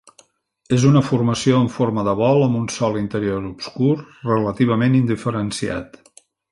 És una formació amb forma de bol amb un sòl interior obscur relativament indiferenciat.